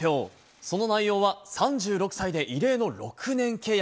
その内容は、３６歳で異例の６年契約。